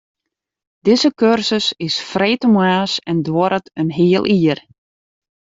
Dizze kursus is freedtemoarns en duorret in heal jier.